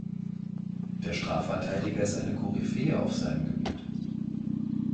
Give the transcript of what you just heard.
Der Strafverteidiger ist eine Koryphäe auf seinem Gebiet.